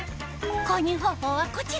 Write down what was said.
購入方法はこちら！